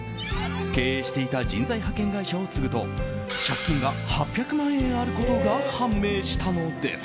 経営していた人材派遣会社を継ぐと借金が８００万円あることが判明したのです。